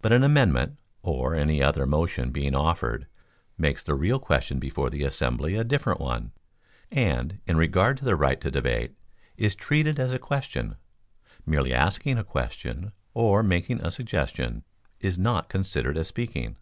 But an amendment, or any other motion being offered, makes the real question before the assembly a different one, and, in regard to the right to debate, is treated as a new question. Merely asking a question, or making a suggestion, is not considered as speaking.